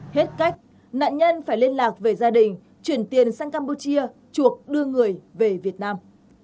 hết cách nạn nhân phải liên lạc về gia đình chuyển tiền sang campuchia chuộc đưa người về việt nam